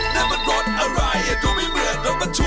น้ำมันรสอะไรก็ไม่เหมือนรถบรรทุก